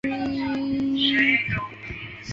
东荣町是日本爱知县东三河的町。